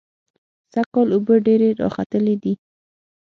سږکال اوبه ډېرې راخلتلې دي.